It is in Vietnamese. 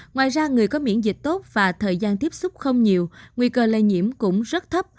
nếu có miễn dịch tốt và thời gian tiếp xúc không nhiều nguy cơ lây nhiễm cũng rất thấp